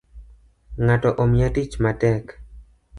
Ngato Omiya tich matek